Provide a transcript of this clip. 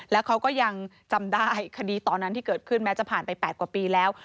แล้วเขาก็ยังจำได้คดีตอนนั้นที่เกิดขึ้นแม้จะผ่านไป๘กว่าปีแล้ว